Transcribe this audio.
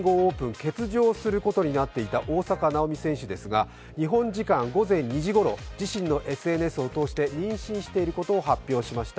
欠場することになっていた大坂なおみ選手ですが日本時間午前２時ごろ、自身のＳＮＳを通して妊娠していることを発表しました。